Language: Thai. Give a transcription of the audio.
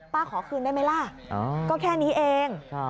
ขอคืนได้ไหมล่ะก็แค่นี้เอง